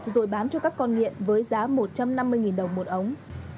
rồi bán cho các con nghiện với giá một trăm năm mươi đồng một ống